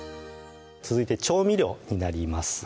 続いて調味料になります